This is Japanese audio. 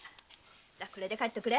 これで帰っとくれ。